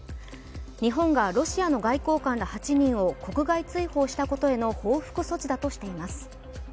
日本がロシアの外交官ら８人を国外追放したことへの報復措置だとしています。